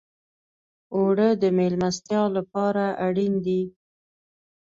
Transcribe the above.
اوړه د میلمستیا لپاره اړین دي